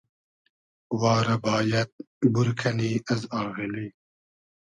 وا رۂ بایئد بور کئنی از آغیلی